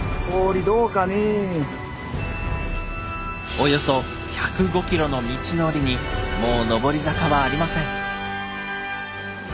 およそ１０５ｋｍの道のりにもう上り坂はありません。